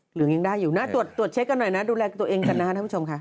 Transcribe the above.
เหลืองยังได้อยู่นะตรวจเช็คกันหน่อยนะดูแลตัวเองกันนะครับท่านผู้ชมค่ะ